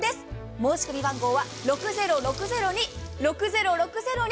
申し込み番号は６０６０２６０６０２。